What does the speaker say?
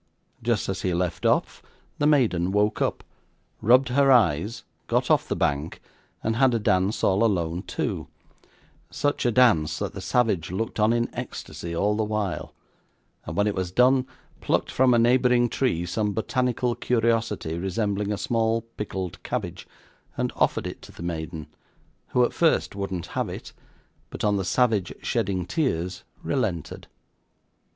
Just as he left off, the maiden woke up, rubbed her eyes, got off the bank, and had a dance all alone too such a dance that the savage looked on in ecstasy all the while, and when it was done, plucked from a neighbouring tree some botanical curiosity, resembling a small pickled cabbage, and offered it to the maiden, who at first wouldn't have it, but on the savage shedding tears relented.